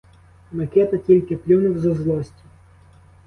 Микита тільки плюнув зо злості.